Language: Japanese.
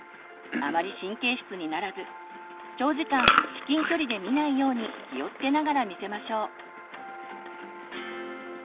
あまり神経質にならず長時間至近距離で見ないように気をつけながら見せましょう。